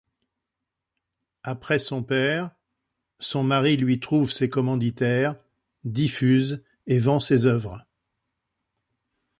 Après son père, son mari lui trouve ses commanditaires, diffuse et vend ses œuvres.